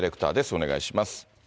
お願いします。